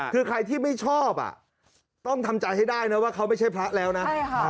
คือใครที่ไม่ชอบต้องทำจากให้ได้ว่าเขาไม่ใช่พระแล้วนะ